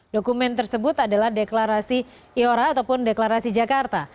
dokumen tersebut adalah deklarasi iora ataupun deklarasi jakarta